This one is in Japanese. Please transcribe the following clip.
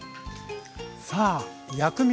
さあ薬味